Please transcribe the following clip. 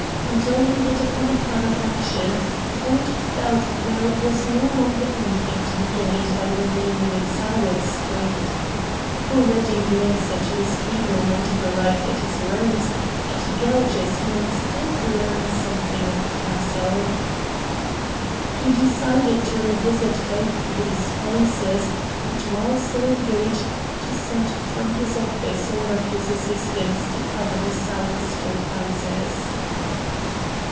Until he hit upon a plan of action, Ford felt there was no longer anything to be gained by remaining in Sowell Street. Already the answer to his cable might have arrived at his rooms; at Gerridge's he might still learn something of Pearsall. He decided to revisit both these places, and, while so engaged, to send from his office one of his assistants to cover the Sowell Street houses.